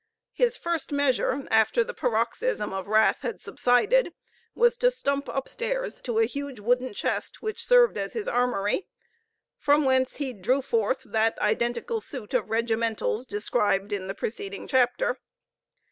His first measure, after the paroxysm of wrath had subsided, was to stump upstairs to a huge wooden chest which served as his armory, from whence he drew forth that identical suit of regimentals described in the preceding chapter.